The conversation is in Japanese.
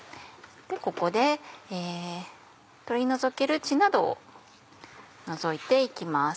ここで取り除ける血などを除いて行きます。